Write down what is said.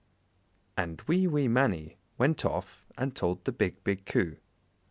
And wee, wee Mannie went off and told the big, big Coo.